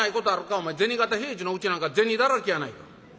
お前銭形平次のうちなんか銭だらけやないか」。